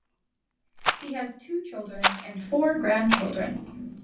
He has two children and four grandchildren.